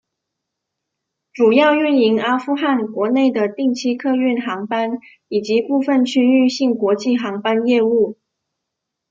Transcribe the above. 主要运营阿富汗国内的定期客运航班以及部分区域性国际航班业务。